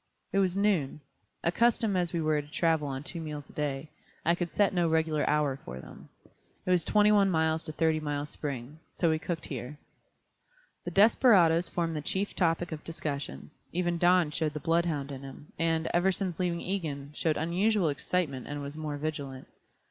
It was noon. Accustomed as we were to travel on two meals a day, I could set no regular hour for them. It was twenty one miles to Thirty Mile Spring. So we cooked here. The desperadoes formed the chief topic of discussion, even Don showed the bloodhound in him, and, ever since leaving Egan, showed unusual excitement and was more vigilant.